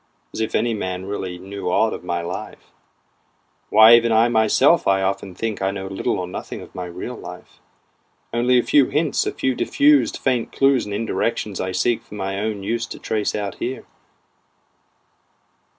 (As if any man really knew aught of my life, Why even I myself I often think know little or nothing of my real life, Only a few hints, a few diffused faint clews and indirections I seek for my own use to trace out here.)